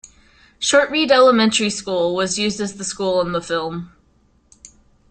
Shortreed Elementary School was used as the school in the film.